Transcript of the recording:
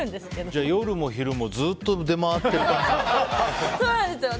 じゃあ、夜も昼もずっと出回ってる感じ。